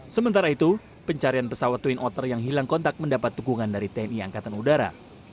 sementara itu pencarian pesawat twin otter yang hilang kontak mendapat dukungan dari tni angkatan udara